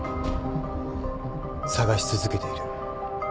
捜し続けている。